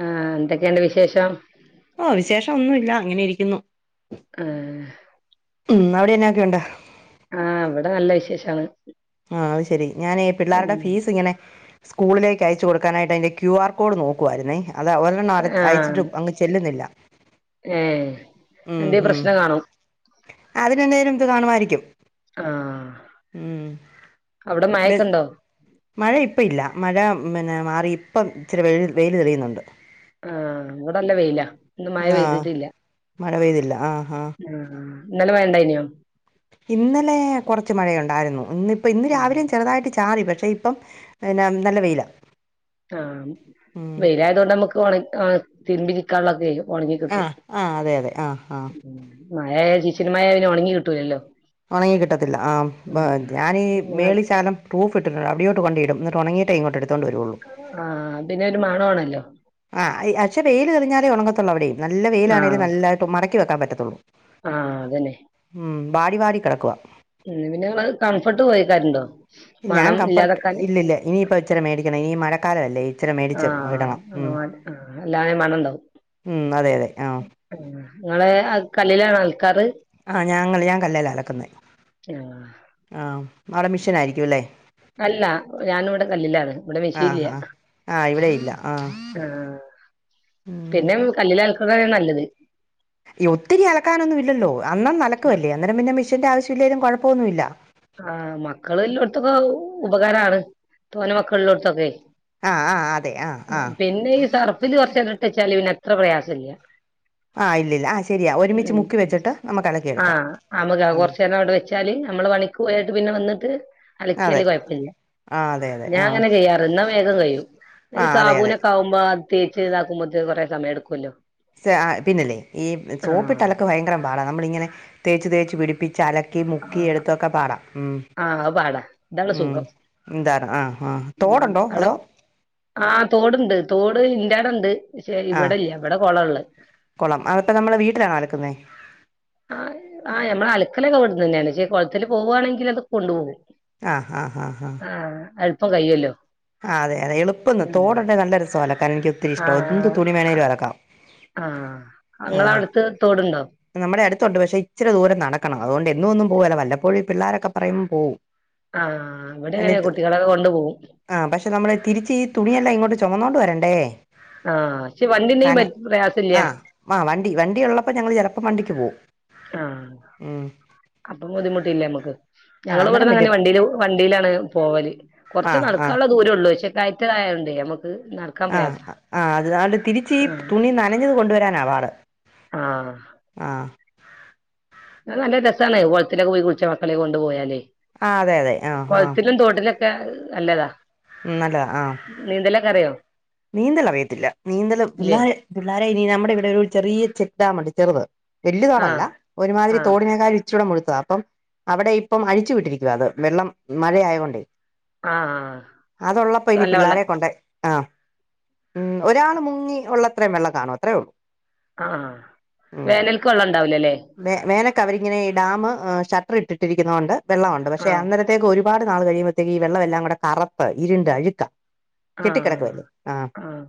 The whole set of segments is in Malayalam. ആഹ് എന്തൊക്കെയണ്ട് വിശേഷം ഓ വിശേഷം ഒന്നുല്ല അങ്ങനെ ഇരിക്കുന്നു ആഹ് ഉം അവിടെന്നെയ ഒക്കെയുണ്ടോ ആഹ് അവിടെ നല്ല വിശേഷമാണ് ആഹ് അത് ശെരി ഞാനേ പിള്ളേരുടെ ഫീസ് ഇങ്ങനെ സ്കൂളിലേക്ക്യച്ച കൊടുക്കാനായിട്ട് അതിന്റെ ക്യു ആർ കോഡ് നോക്കുവായിരുന്നേ അത് ഒരെണ്ണം അര ആഹ് അയച്ചിട്ടും അങ് ചെല്ലുന്നില്ല ഏഹ് എന്തെ പ്രശ്നം കാണും അതിനെന്തായാലും ഇത് കാണുമായിരിക്കും ആഹ് ഉം അവിടെ ബസ് മയക്കണ്ടോ മഴ ഇപ്പ ഇല്ല മഴ പിന്നെ മാറി ഇപ്പം ഇച്ചിരി വെ വെയിൽ തെളിയുന്നുണ്ട് ആ ഇവിടെല്ല വെയില ഇന്ന് മഴ ആ പെയ്തിട്ടില്ല മഴ പെയ്തില്ല ആ ആ ആഹ് ഇന്നലെ മഴ ണ്ടായിന്യോ ഇന്നലെ കുറച്ച് മഴയുണ്ടായിരുന്നു ഇന്ന് ഇപ്പ ഇന്ന് രാവിലും ചെറുതായിട്ട് ചാറി പക്ഷെ ഇപ്പം പിന്നെ [unintelligible] നല്ല വെയില ആ വെയിലായത് കൊണ്ട് നമ്മുക്ക് ഒണക്കി [unintelligible] തിരുമ്പിക്കാനുള്ളത് വെരും ഉണങ്ങി ആ കിട്ടും ആ അതെ അതെ ആ ആ മഴ ശിശിര മഴ പിന്നെ ഉണങ്ങി കിട്ടൂലല്ലോ. ഉണങ്ങി കിട്ടത്തില്ല ആ പ ഞാനീ ആഹ് ചാർ [unintelligible] അവിടോട്ട് കൊണ്ടയിടും എന്നിട്ട് ഉണങ്ങിയിട്ടേ ഇങ്ങോട്ട് എടുത്തോണ്ട് വരുള്ളു. ആഹ് പിന്നെ ഒരു മണാണല്ലോ. ആ പക്ഷെ വെയിൽ തെളിഞ്ഞാലെ [unintelligible] ഉണങ്ങത്തുള്ള അവിടെ നല്ല വെയിലാണേലും നല്ലായിട്ട് മടക്കി വെക്കാ പറ്റത്തുള്ളൂ. ആ അതന്നെ വാടി വാടി കിടക്കുവ ഉം പിന്നെ ഞങ്ങള് കംഫർട്ട് ഉപയോഗിക്കാറുണ്ടോ ഞാൻ മണം കംഫർട്ട് ഇല്ലാതാക്കാന് ഇല്ലില്ല ഇനിയിപ്പ ഇച്ചരി മേടിക്ക ഈ മഴക്കാലമല്ലേ ഇച്ചിരി മേടിച്ച് ഇടണം ഉം. ആ അല്ലാ മണണ്ടാവും ഉം, അതെ അതെ ആ നിങ്ങള് ആൾക്കാർ ആ ഞങ്ങള് ഞാൻ കല്ലെല അലക്കുന്നേ ആഹ് ആ അവിടെ മിഷീനായിരിക്കും അല്ലേ അല്ല ഞാൻ ഇവിടെ കല്ലിലാണ് ഇവിടെ മെഷീൻ ഇല്ല ആഹ് പിന്നെ കല്ലില് അലക്കുന്നതാണ് നല്ലത് ഒത്തിരി അലക്കാനൊന്നും ഇല്ലല്ലോ യോത്തിരി അലക്കാനൊന്നും ഇല്ലല്ലോ അന്നന്ന് അലക്കുവല്ലേ അന്നേരം പിന്നെ മെഷീന്റെ ആവശ്യമില്ലേലും കുഴപ്പമൊന്നും ഇല്ല ആ മക്കള് ഉള്ളോടത്തൊക്കെ ഉപകാരമാണ് തോനെ മക്കളുള്ളോടത്തൊക്കെ ആഹ് ആഹ് അതെ ആഹ് ആഹ് പിന്നെ ഈ സർഫില് കുറച്ച് നേരം ഇട്ട് വെച്ചാ പിന്നെ അത്ര പ്രയാസം ഇല്ല. [inaudible] ആഹ് ഇല്ലില്ല ആഹ് ശരിയാ ഒരുമിച്ച് ഉം മുക്കി വെച്ചിട്ട് നമുക്ക് അലക്കിയെടുക്കാം ആഹ് നമക്ക് ഉം കുറച്ചു നേരം അവിടെ വെച്ചാല് നമ്മള് പണി യിട്ട് പിന്നെ വന്നിട്ട് അലക്കിയാല് അതെ കുഴപ്പല്ല. ആഹ് അതെ അതെ ഞാൻ ആഹ് അങ്ങനെ കഴ്വറ് എന്ന വേഗം കഴിയും ആഹ് അതെ അതെ സാബൂനൊക്കെ ആവുമ്പോ ആ തേച്ച് ഇതാക്കുമ്പോത്തി കുറേ സമയം എടുക്കുമല്ലോ [unintelligible] പിന്നല്ലേ ഈ സോപ്പിട്ട് അലക്ക് ഭയങ്കരം പാടാ നമ്മള ഇങ്ങനെ തേച്ച് തേച്ച് പിടിപ്പി ചലക്കി മുക്കി ആഹ് എടുത്തൊക്കെ പാടാം ഉം ആഹ് അത് പാടാ ഇതാണ് ഉം സുഖം എന്താര ആ ആ ഉം തോടുണ്ടോ അവിടെ അതോ ആഹ് തോടുണ്ട് തോട് ഇന്റാടണ്ട് ആഹ് ഇവിടെല്ല ഇവിടെ കുളള്ളെ കുളം അതിപ്പോ നമ്മള് വീട്ടിലാണോ അലക്കുന്നേ ആ ആ നമ്മൾ അൽക്കലൊക്കെ ആ ആഹ് ഞമ്മള് അലക്കലൊക്കെ ഇവിടുന്ന് തന്നെയാണ് കുളത്തിൽ പോവാണെങ്കിൽ അത് കൊണ്ടുപോകും. ആഹ് ആഹ് ആഹ് ആഹ് അപ്പം കയ്യല്ലോ. ആ അതെ അതെ എളുപ്പന്ന് തോടണ്ട നല്ലൊരു ാൻ എനിക്ക് ഒത്തിരി ഇഷ്ട എന്ത് ആഹ് തുണി വേണെങ്കിലും ആഹ് അലക്കാം ആഹ് ആ. ഇങ്ങളെ അവിടുത്ത് തോടുണ്ടോ നമ്മുടെ അടുത്തുണ്ട് പക്ഷെ ഇച്ചിരി ദൂരം നടക്കണം അതുകൊണ്ട് എന്നു ഒന്നും പോവൂല്ല വല്ലപ്പോഴും പിള്ളാരൊക്കെ പറയുമ്പോ പോവും. ആഹ് ഇവിടെ അങ്ങനെ അ കുട്ടികളൊക്കെ കൊണ്ടുപോകും ആ പക്ഷെ നമ്മള് തിരിച്ച തുണിയല്ല ഇങ്ങോട്ട് ചുമന്നുകോണ്ട് വരണ്ടേ. ആഹ് പക്ഷെ വണ്ടിണ്ടെങ്കി കന പറ്റ് പ്രയാസല്ല ആ ആ വണ്ടി വണ്ടി ഉള്ളപ്പോ ഞങ്ങൾ ചില ണ്ടക്ക് പോകും. ആ. അപ്പം ബുദ്ധിമുട്ടില്ല നമ്മുക്ക് ആ ഞങ്ങള് അന്നേരം ഇവിടന്ന് അങ്ങനെ പറ്റും വണ്ടി വണ്ടിയിലാണ് പോവല് ആ കൊറച്ച് ആ നടക്കാനുള്ള ദൂരമുള്ളൂ പക്ഷെ കയറ്റതായ ആ ആ അത് അത് തിരിച്ച് ആഹ് തുണി നനഞ്ഞത് കൊണ്ടുവരാനാ പാട്. ആഹ് ആ. അ നല്ല രസമാണ് കുളത്തിലൊക്കെ പോയി കുളിച്ച മക്കളെ കൊണ്ട് പോയാലേ. ആ അതെ അതെ ആ ആ കുളത്തിലും തോട്ടിലും അല്ലാതാ നല്ലതാ ആ നീന്തലൊക്കെ അറിയോ നീന്തൽ അറിയത്തില്ല നീന്തൽ ഇല്ലേ പിള്ളോര പിള്ളോരെ ഇനി നമ്മുടെ ഇവിടെ ഒരു ചെറിയ ചെക്ക് ഡാമുണ്ട് ചെറുത് വലിയ ആഹ് തോടല്ല ഒരുമാതിരി ആഹ് തോടിനേക്കാ ച്ചട മുഴുത്തത അപ്പം അവിടെ ഇപ്പം അഴിച്ചു വിട്ടിരിക്കുവ അത് വെള്ളം മഴയതൊണ്ടേ ആഹ് അതുള്ളപ്പോ ഇനി നല്ല വെള്ള പിള്ളോരെ കൊണ്ടേ ആ ഉ ഒരാൾ മുങ്ങി ഉള്ളത്രേയും വെള്ളം കാണോ അത്രേ ഉള്ളൂ ആഹ ഉം വേനൽക്ക് വെള്ളം ഉണ്ടാവിലല്ലേ വേ വേനൊക്കെ അവരിങ്ങനെ ഈ ഡാം ഷട്ടർ ഇട്ടിട്ടിരിക്കുന്ന കൊണ്ട് വെള്ളമുണ്ട് പക്ഷെ ആഹ് അന്നരത്തേക്ക് ഒരു ഒരുപാട് നാൾ കഴിയുമ്പോഴത്തേക്ക് ഈ വെള്ളം എല്ലാം കൂടെ കറുത്ത് ഇരുണ്ട് അഴുക്കാ ആഹ് ആഹ്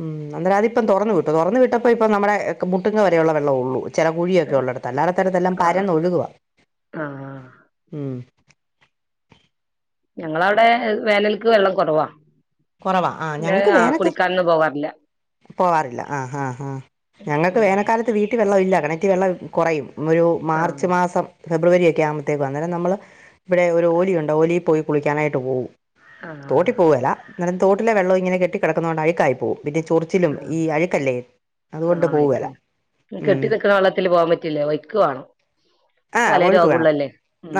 ഉം അന്നേം അതിപ്പം തുറന്നു വിട്ടു തുറന്നു വിട്ടപ്പോ ഇപ്പ നമ്മുടെ മുട്ടുങ്ങ വരെയുള്ള വെള്ളം ഉള്ളൂ ചില കുഴിയൊക്കെ ഉള്ളടത്ത് അല്ലായിടത്തടുത്തെല്ലാം എല്ലാം ആഹ് പരന്ന ഒഴുകുക ആഹ് ഉം ഞങ്ങളവിടെ വേനലക്ക് വെള്ളം കുറവാ കുറവാ ആഹ് പിന്നെ ഞങ്ങക്ക് ആഹ് വേനൊക്കെ കുളിക്കാനൊന്നും പോവാറില്ല പോവാറില്ല ആ് ആഹ് ആഹ് ഞങ്ങൾക്ക് ഉം വേനൽക്കാലത്ത് വീട്ടിൽ കിണറ്റിൽ വെള്ളമില്ല കിണറ്റിൽ വെള്ളം കുറയും ഒരു ആഹ് മാർച്ച് മാസം ഫെബ്രുവരി ആകുമ്പത്തേക്ക് അന്നേരം നമ്മൾ ഇവിടെ ഒരു ഓലി ഉണ്ട് ഓലിയിൽ പോയി കുളിക്കാനായിട്ട് പോകും ആഹ് തോട്ടിൽ പോവലല്ല എന്നാലും തോട്ടിലെ വെള്ളവും ഇങ്ങനെ കെട്ടി കിടക്കുന്ന കൊണ്ട് അഴുക്കായി പോകും പിന്നെ ചൊറിച്ചിലും ആഹ് ഈ അഴുക്കല്ലേ അതുകൊണ്ട് ആഹ് പോവുവേല അയ്ക്കാണ് കെട്ടി നിക്കുന്ന വെള്ളത്തിൽ പോവാൻ പറ്റില്ലേ വയ്ക്കുവാണോ ആ പല ഒഴുക്ക് വേണം രോഗമുള്ളല്ലേ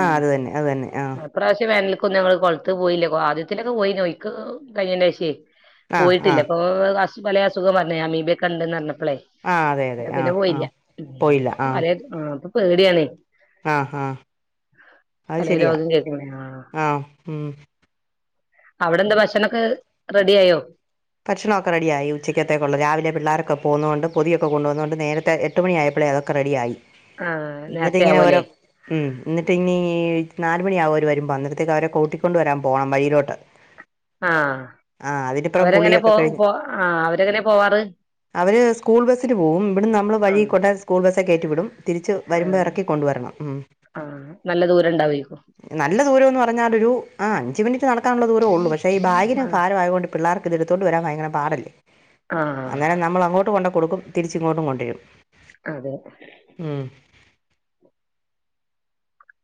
ആ അത് തന്നെ അത് തന്നെ ആ ഇപ്രാവശ്യം വേനൽ ഇ ങ്ങള് കൊളത്ത് പോയില്ലേക്ക ആദ്യത്തിലൊക്കെ പോയി നോയിക്ക് കഴിഞ്ഞയിന് ശേഷമേ ആ ആ പോയിട്ടില്ല അപ്പൊ അസു പല അസുഖം പറഞ്ഞ അമീബയൊക്കെ ഉണ്ടെന്നറിഞ്ഞപ്പോ അപ്പോളെ ആ അതെ അതെ ആ പിന്നെ ആ പോയില്ല പോയില്ല ആ ഇപ്പൊ പേടിയാണ് ആഹ് ഹഹ അത് പലേ ശരിയാ രോഗം കേൾക്കുമ്പളേ ആഹ് ഉം അവിടെ എന്താ ഭക്ഷണമൊക്കെ റെഡി ആയോ ഭക്ഷണമൊക്കെ റെഡിയായി ഉച്ചക്കത്തേക്കുള്ള രാവിലെ പിള്ളേരൊക്കെ പോകുന്നത് കൊണ്ട് പൊതിയൊക്കെ കൊണ്ടുവന്നുകൊണ്ട് നേരത്തെ എട്ടു മണിയായപ്പോ അപ്പോള അതൊക്ക റെഡിയായി ആഹ് എന്നിട്ട് നേരത്തെ ഇങ്ങനെ ഓരോ ആവോല്ലേ ഉ എന്നിട്ട് ഇനി നാല് മണിയാകും അവര് വരുമ്പോ വന്നിടത്തേക്ക് അവരെ കൂട്ടിക്കൊണ്ട് വരാൻ പോണം വഴിയിലോട്ട് ആഹ ആ അതിനിപ്പുറം അവരെങ്ങനെ പോ കുളിയൊക്കെ കഴിഞ്ഞ് പോ ആ അവരെങ്ങനെ പോവാറ് അവര് സ്കൂൾ ബസ്സിന് പോകും ഇവിടന്ന് നമ്മള് വഴി ആഹ് കൊണ്ട സ്കൂൾ ബസ്സെ കയറ്റി വിടും തിരിച്ച് വരുമ്പോൾ ആഹ് ഇറക്കി കൊണ്ടുവരണം ഉം ആഹ് നല്ല ദൂരം ഇണ്ടാവേക്കും നല്ല ദൂരംന്ന് പറഞ്ഞാൽ ഒരു ആ അഞ്ചു മിനിറ്റ് നടക്ക നടക്കാനുള്ള ദൂരമേ ഉള്ളൂ പക്ഷേ ഈ ബാഗിന് ആഹ് ഭാരമായത് കൊണ്ട് പിള്ളേർക്ക് ഇത് എടുത്തോണ്ട് വരാൻ ഭയങ്കര പാടല്ലേ ആഹ് അന്നേരം നമ്മൾ അങ്ങോട്ടും കൊണ്ട് കൊടുക്കും തിരിച്ച് ഇങ്ങോട്ടും കൊണ്ടുവരും അതെ ഉം.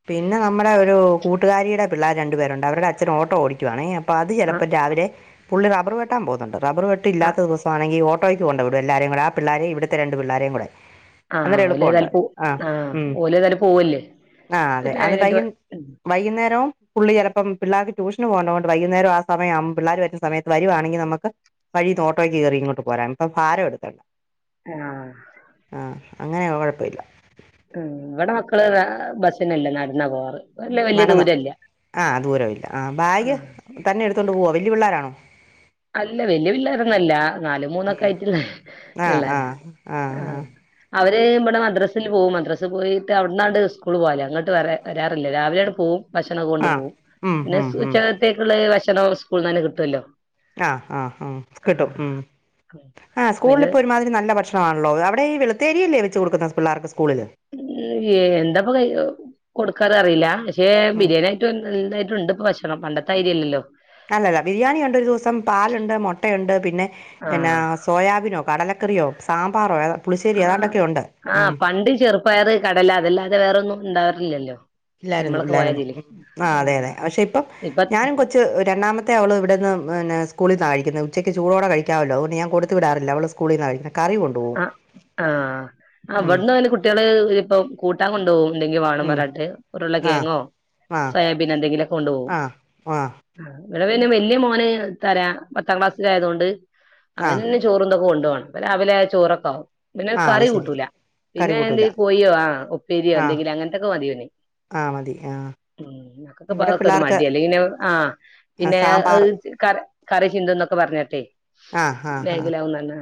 പിന്നെ നമ്മുടെ ഒരു കൂട്ടുകാരിയുടെ പിള്ളേർ രണ്ടുപേരുണ്ട് അവരുടെ അച്ഛനും ഓട്ടോ ഓടിക്കുവാണേ അപ്പ അത് ആഹ് ചിലപ്പോ രാവിലെ പുള്ളി റബർ വെട്ടാൻ പോകുന്നുണ്ട് റബർ വെട്ട് ആഹ് ഇല്ലാത്ത ദിവസമാണെങ്കിൽ ഓട്ടോക്ക് പോണ്ട ഇവിടെ എല്ലാരെയും കൂടെ ആ പിള്ളേരെയും ഇവിടത്തെ രണ്ട് പിള്ളേരെയും കൂടെ ആ അന്നേരം ഓല എളുപ്പമുണ്ട് തല് പോ ആ ഉം. ഓല് ഏതാലും പോവല്ലേ ആ അതെ പിന്നെ അത് വൈക അയിനെന്തുവാ വൈകുന്നേരവും പുള്ളി ചിലപ്പം പിള്ളേർക്ക് ട്യൂഷന് പോകുന്നത് കൊണ്ട് വൈകുന്നേരം ആ സമയം ആവുമ്പോ പിള്ളേരുമായിട്ട് സമയത്ത് വരുവാണെങ്കിൽ നമുക്ക് വഴിയിന്ന് ഓട്ടോക്ക് കയറി ഇങ്ങോട്ട് പോരാം അപ്പോ ഭാരമെടുക്കണ്ട ആ..... അങ്ങനെയാ കുഴപ്പമില്ല ഉ ഇവിടെ മക്കള് ബസിനല്ല നടന്നാ പോകറ് നടന്ന് ആ ദൂരമില്ല ആ ബാഗ് ആഹ് തന്നെ എടുത്തൊണ്ട് പോവാ വലിയ പിള്ളേരാണോ അല്ല വലിയ പിള്ളേരോന്നുമല്ല നാലും മൂന്നുമൊക്കെ ആയിട്ടുള്ളു ഇളയ ആഹ ആ അവര് ഇവിടെ മദ്രസിൽ പോകവും മദ്രസിൽ പോയിട്ട് അവിടന്നാണ്ട് സ്കൂള് പോകല്ലേ അങ്ങോട്ട് വ വരാറില്ല രാവിലെയ ആണ് പോകവും ഭക്ഷണം ആഹ് കൊണ്ടുപോകവും ഉം പിന്നെ ഉം ഉം ഉച്ചത്തേക്കുള്ള ഭക്ഷണ സ്കൂളിൽ നിന്നെ കിട്ടുമല്ലോ ആ ആ ആ കിട്ടും ഉ ആ പിന്നെ സ്കൂളിപ്പോ ഒരുമാതിരി നല്ല ഭക്ഷണ ണല്ലോ അവിടെ ഈ വെളുത്തേരില്ലേ വെച്ച് കൊടുക്കുന്ന പിള്ളേർക്ക് സ്കൂളിൽ എന്താപ്പ ക കൊടുക്കാറ അറിയില്ല പക്ഷേ ഉം ബിരിയാണിയ ആയിട്ട് നതായിട്ടുണ്ട് ഇപ്പ ഭക്ഷണം പണ്ടത്തെ ആതിരി അല്ലല്ലോ അല്ലല്ല ബിരിയാണിയുണ്ട് ഒരു ദിവസം പാലുണ്ട് മുട്ടയുണ്ട് പിന്നെ എന്ന ആഹ് സോയാബീനോ കടല ക്കറിയോ സാമ്പാറോ പുളിശ്ശേരി ആ ഏതാണ്ടൊക്കെ ഉണ്ട് ആ ഉം പണ്ട് ചെറുപ്പയർ കടല അതല്ലാതെ വേറൊന്നും ഉണ്ടാവറില്ലല്ലോ ഇല്ലായിരുന്നു ഇല്ലായിരുന്നു ആ അതെ ആഹ് അതെ പക്ഷെ ഇപ്പം ഇപ്പ ഞാനും കൊച്ച് രണ്ടാമത്തെ ആള് ഇവിടെന്ന് പിന്ന സ്കൂളിന്ന് ആ കഴിക്കുന്നത് ഉച്ചക്ക് ചൂടോടെ കഴാമല്ലോ അതുകൊണ്ട് ഞാൻ കൊടുത്ത് വിടാറില്ല അവള് സ്കൂളിന്ന കഴിക്കുന്നെ ആ ആ ഉം അവിടുന്ന് അങ്ങനെ കുട്ടികള് ഇപ്പ കൂട്ടാൻ കൊണ്ടുപോകും എന്തെങ്കും വേണ ഉം വരാട്ട് ഉരുള്ള ആ കിയങ്ങോ സോയാബീൻ എന്തെങ്കിലും ഒക്കെ കൊണ്ടു പോകും വഹ ഇവിടെ പിന്നെ വലിയ മോന് തരാ പത്താം ക്ലാസ്സിലയത കൊണ്ട് ആ അവന തന്നെ ചോറുംന്തൊക്കെ ഉണ്ട് അവിലെ ചോറൊക്കാവും പിന്നെ ആ അത് കറി ശരി കൂട്ടൂല കറി പിന്നെ എന്ത് കൂട്ടൂല പോയോ ആ ഉപ്പേരിയോ ആ എന്തെങ്കിലും അങ്ങനത്തൊക്കെ മതിയോന്നെ ആ മതി ആ... ! ഒരു മടിയ അല്ലെ ഇങ്ങെ ആ ആ, പിന്നെ സാമ്പാർ കറി ചീന്തന്നൊക്കെ പറഞ്ഞട്ടെ ആ ആ ആ ബേകിലാവന്നന്ന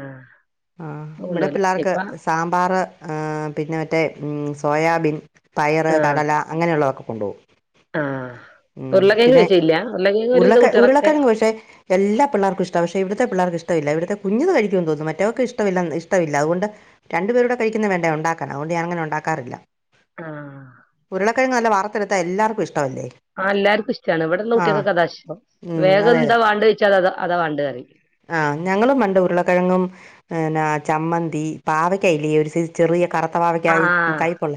ആ ഇവിടെ പിള്ളേർക്ക് സാമ്പാർ പിന്നെ മറ്റേ സോയാബീൻ പയറ് കടല അങ്ങനെയുള്ളതൊക്കെ കൊണ്ടുപോകും ആഹ ഉരുളക്കെങ് വെച്ചല്ല ഉരുള ഉരുളക്കാരങ് പക്ഷെ എല്ലാ പിള്ളേർക്കും ഇഷ്ടമാണ് പക്ഷെ ഇവിടുത്തെ പിള്ളേർക്ക് ഇഷ്ടില്ല ഇവിടുത്തെ കുഞ്ഞത് കഴിക്കുമെന്ന് തോന്നും മറ്റവർക്ക് ഇഷ്ടമില്ല ഇഷ്ടമില്ല അതുകൊണ്ട് രണ്ടുപേരുടെ കഴിക്കുന്ന വേണ്ട ഉണ്ടാക്കും അതുകണ്ട് ഞൻങ്ങെ ഉണ്ടാക്കാറില്ല ആ ഉരുളക്കഴ നല്ല വാർത്തെ എടുത്താ എല്ലർക്കും ഇഷ്ടം ആ എല്ലാർക്കും ഇഷ്ടമാണ് ഇവിടെുന്ന കുട്ടികൾക്കെ അതാ ഇഷ്ട്ടം ഉം. വേഗം അതെ അതെ എന്താ വേണ്ടെന്ന് ചോദിച്ചാൽ അ അതാ വണ്ടേ പറയു ആ ഞങ്ങളും പണ്ട് ഉരുളക്കിഴങ്ങും ന്നെ ചമ്മന്തി പാവക്കല ഒരു ചെറിയ കറ പാവക്ക ആ കൈപ്പൊള്ള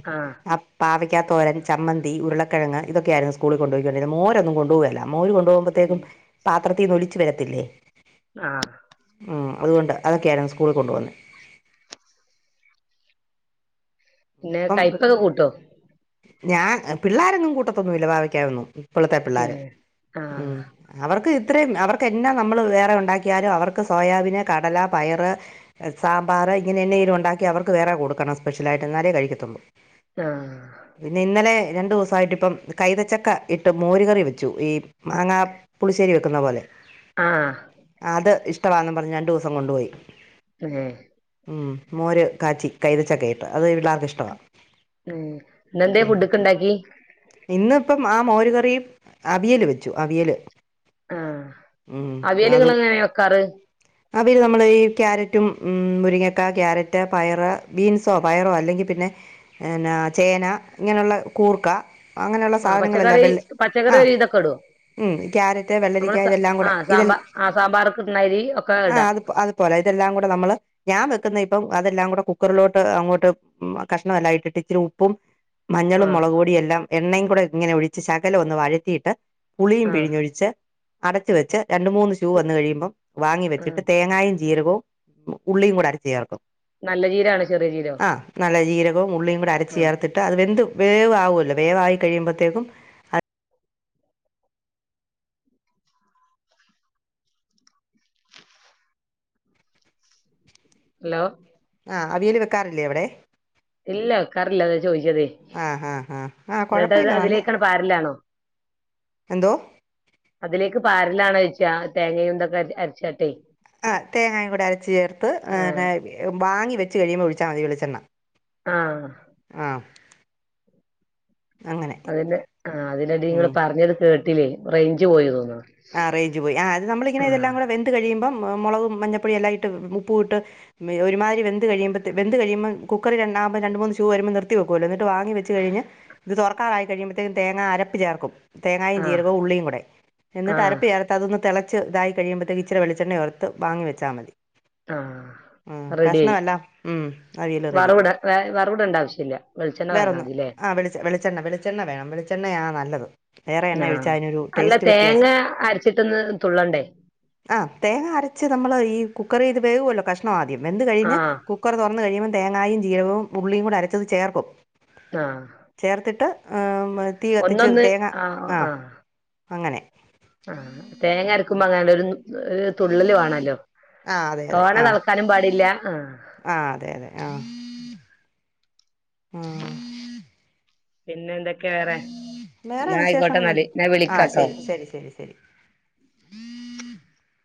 ആ പാവ പിക്കാത്തോരൻ ചമ്മന്തി ഉരുളക്കഴങ് ഇതൊക്കെയായിരുന്നു സ്കളിൽ കൊണ്ടുപോയി കൊണ്ടിരുന്നേ മോരുന്നും കൊണ്ടപ പോകല്ല മോര് കൊണ്ടുപകുമ്പോഴത്തേക്കും പാത്രത്തിൽ നിന്ന് ഒലിച്ചച്ച് വരത്തില്ലേ ആ ഉം അതുകൊണ്ട് അതൊക്കെയ ആരുന്നു സ്കൂളിൽ കൊണ്ട വന്ന് പിന്നെ കയ്പപ്പൊക്കെ കൂട്ടോ ഞാൻ പിള്ളോരങ്ങും കൂട്ടത്തൊന്നും വില്ല ഭാക്കാവന്ന ഇപ്പോഴത്തെ പിള്ളേർ ഏഹ് ഉ ആഹ് അവർക്ക് ഇത്രയും അവർക്ക് എന്നാ നമ്മൾ വേറെ ഉണ്ടാക്കിയാലും അവർക്ക് സോയാബീന് കടല പയറ് സാമ്പാർ ഇങ്ങനെങ്കും ഉണ്ടാക്കി അവർക്ക് വറെ കൊടുക്കണം സ്പെഷ്യലായിട്ട്ങ്ങാലെ കഴിക്കണം ആഹ് പിന്നെ ഇന്നലെ രണ്ടു ദിവസമായിട്ട് ഇപ്പം കൈതച്ചക്ക ഇട്ട് മോര കറി വെച്ചു ഈ മാങ്ങാ പുളിശ്ശേരി വെക്കുന്ന പോലെ ആഹ് അത് ഇഷ്ടമാെന്നും പറഞ്ഞ് രണ്ടു ദിവസം കൊണ്ടുപോയി ഉം മ മോര് കാച്ചി കൈതച്ചക്കെ ആയിട്ട് അത് പിള്ളേർക്ക ഇഷ്ടമാണ് ഉ ഇന്നെന്താ ഫുഡൊക്കെ ഇണ്ടാക്കി ഇന്ന ഇപ്പം ആ മോരുകറ അവിയല് വെച്ചു അവിയല് ആഹ അവിയലുക എങ്ങനെ വെക്കാറ് അവൽ നമ്മൾ ഈ ക്യാരറ്റും മുരിങ്ങക്ക ക്യാരറ്റ് പയറ് ബീൻസോ പയറോ അല്ലെങ്കിൽ പിന്നെ പിന്നാ ചേന ഇങ്ങനെയുള്ള കൂർക്ക [unintelligible] അങ്ങനെയുള്ള ആഹ് സാധനങ്ങളല്ലെ പച്ചക്കറി ആ പച്ചക്കറി ഒരു വിധൊക്കെ ഇടോ ഉം ക്യാരറ്റ് നമ്മള് വെള്ളരിക്ക സ ഇതെല്ലാം കൂടെ ആഹ് ഇതെ സാമ്പാ ആഹ് സാമ്പാറ്ക്ക്ട്ണാരി ഒക്കെ ആ ഇടാ അത് അതുപോലെ ഇതെല്ലാം കൂടെ നമ്മള് ഞാൻ വെക്കുന്ന ഇപ്പ അതെല്ലാം കൂടെ കുക്കറിലോട്ട് അങ്ങോട്ട് കഷ്ണംമെല്ലാം ഇട്ടിട്ട് ഇച്ചരി ഉപ്പും മഞ്ഞളും ആഹ് മുളകക് പൊടിയും എല്ലാം എണ്ണയും കൂടെ ഇങ്ങനെ ഒഴിച്ച് ശകലം ഒന്ന് വഴത്തിയിട്ട് പുളിയും ആഹ് പിഴിഞ്ഞൊഴിച്ച് അടച്ച് വെച്ച് രണ്ട് മൂന്ന് ഷൂ വന്ന് കഴിയുമ്പോം വാി വെച്ചിട്ട് ആഹ് തേങ്ങായയും ജീരകവും ഉള്ളിയും കൂടെ അരച്ചു ചേർക്കും നല്ല ജീരാണ് ചെറിയ ചീരോ ആഹ് നല്ല ജീരകവും ഉള്ളിയും കൂടി അരച്ച് ചേർത്തിട്ട് അത് വെന്തു വേവകുമല്ലോ വേവായി കഴിയുമ്പോഴത്തേക്കും അത് ഹലോ ആ അവിയൽ വെക്കാറില്ലേ എവിടെ ഇല്ല വക്കാറില്ല അതാ ചോദിച്ചതേ ആഹ് ആഹ് ആഹ് ആഹ് എന്നിട്ട്ത് കുഴപ്പമില്ല നല്ല അതിലേക്കാണ് പാരില്ലാണോ എന്തോ അതിലേക്ക് പാരലാാണ് കഴച്ചാ തേങ്ങയുംന്തൊക്കെ അരച്ചട്ടെ ആ തേങ്ങായും കൂടി അരച്ച ചേർത്ത് ആഹ് ന്നെ വാങ്ങി വെച്ച് കഴിയുമ്പോൾ വിളിച്ചാൽ മതി വിളിച്ചെണ്ണ ആഹ അങ്ങനെ അതിന്റെ ആ അതിന്ടി നിങ്ങൾ ഉം പറഞ്ഞത് കേട്ടില്ലേ റേഞ്ച് പോയി തോന്നുന്നു ആ അറേഞ്ച് പോയി ആ അത്മ്മളിങ്ങനെ ഇതൊം കൂടെ വെന്ത് കഴിയുമ്പം മുളകും മഞ്ഞപ്പൊടിയും എല്ലാംട്ട് ഉപ്പ ഇട്ട് ഒരുതിരി വെന്ത് കഴിയുമ്പ വെന്ത് കഴിയുമ്പ കുക്കറി ര മൂന്ന് ഷൂ വരുമ്പോ നിർത്തി വെക്കല്ലോി വെ കഴിഞ്ഞ് ഇത്റക്കറായി കഴിയ്പഴത്തേ തേങ്ങ അരപ്പ ചേർക്കും തേങ്ങും ആഹ് ചീരവ ഉള്ളിയും കൂടെ എന്നിട്ട് ആഹ് അരപ്പ് ചേർത്തത ഒ തിളച്ച് ഇതായി കഴിയുമ്പഴേ ഇച്ചി വെളിച്ചെണയോറത്ത് വാി വൊ മതി ഉം. ആഹ റെഡി ആായി കഷ്ണമെല്ലാം ഉം. അവിയൽ റെഡി വറവിട വ വറവിടണ്ട ആവശ്യ ഇില്ല വെളിച്ചെണ്ണ വരങ്ങാൽ വേറൊന്നും മതില്ലേ ആ വെളിച്ച വെളിച്ചെണ് വെളിച്ചെണ്ണ വേണം വെളെണ്ണ നല്ലത് വേറെ എണ്ണ ഒഴാൽ ആഹ് അതിനൊരു അല്ല ടേസ്റ്റ് തേങ്ങ വ്യത്യാസം അരച്ചിട്ടൊന്ന് തുള്ളണ്ടേ ആ തേങ്ങ അരച്ച് നമ്മൾ ഈ കുക്കർ ചെയ്ത് വേകുമല്ലോ കഷണംമാ ആദ്യം എന്ത് കഴിഞ്ഞ് ആഹ് കുക്കർ തുറന്ന് കഴിയുമ്പൾ തേങ്ങായും ജീരവും ഉള്ളിയും കൂടെ അരച്ചത് ചേർക്കും ആഹ് ചേർത്തിട്ട് തീ കത്തിച്ച് ഒന്നൊന്ന് തേങ്ങ ആഹ അങ്ങനെ ആഹ തേങ്ങ അരക്കുമ്പോ അങ്ങന ഒരു തുള്ളല് വേണല്ലോ ആ അതെ അതെ തോന ആ തളക്കാനും പാടില്ല ആ ആ അതെ അതെ ആഹ [unintelligible] പിന്നെ എന്തൊക്കെയ വേറെ വേറെ ാ ആയിക്കോട്ടെ വിശേഷങ്ങളൊന്നും നല് ാ ആ വിളിക്കാട്ടോ ശരി ശരി ശരി ശരി [inaudible]